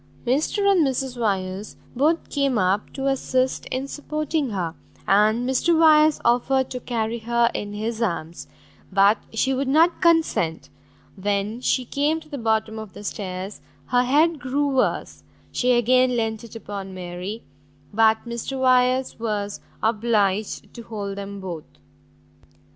Mr and Mrs Wyers both came up to assist in supporting her, and Mr Wyers offered to carry her in his arms; but she would not consent; when she came to the bottom of the stairs, her head grew worse, she again lent it upon Mary, but Mr Wyers was obliged to hold them both.